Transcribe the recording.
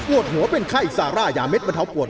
อวดหัวเป็นไข้ซาร่ายาเม็ดมะเทาปวดลดไข้